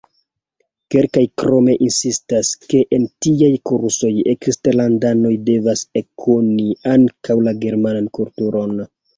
Kelkaj krome insistas, ke en tiaj kursoj eksterlandanoj devas ekkoni ankaŭ la germanan kulturon.